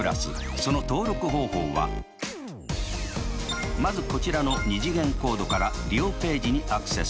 その登録方法はまずこちらの２次元コードから利用ページにアクセス。